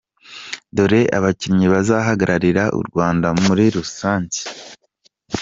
Dore abakinnyi bazahagararira u Rwanda muri rusange:.